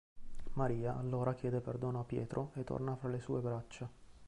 Maria allora chiede perdono a Pietro e torna fra le sue braccia.